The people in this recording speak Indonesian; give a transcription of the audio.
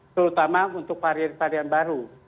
terutama untuk varian varian baru